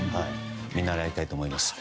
見習いたいと思います。